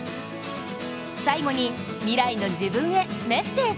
最後に未来の自分へメッセージ。